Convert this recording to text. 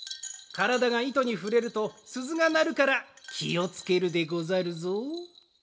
からだがいとにふれるとすずがなるからきをつけるでござるぞ。